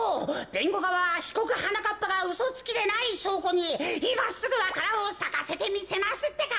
べんごがわはひこくはなかっぱがうそつきでないしょうこにいますぐわか蘭をさかせてみせますってか。